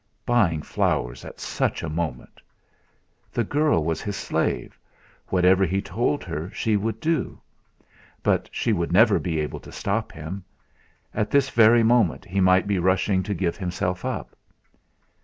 Buying flowers at such a moment! The girl was his slave whatever he told her, she would do. But she would never be able to stop him. At this very moment he might be rushing to give himself up!